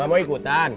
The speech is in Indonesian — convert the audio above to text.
gak mau ikutan